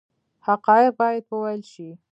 حقایق باید وویل شي